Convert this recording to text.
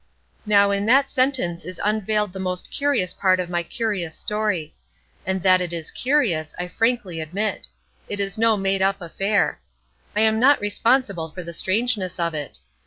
Now, in that sentence is unveiled the most curious part of my curious story; and that it is curious, I frankly admit. It is no made up affair. I am not responsible for the strangeness of it.